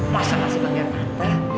masa masih panggil tante